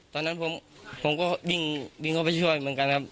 ตอนนั้นผมก็วิ่งเข้าไปช่วยเหมือนกันครับ